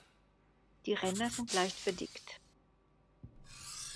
Die Ränder sind leicht verdickt.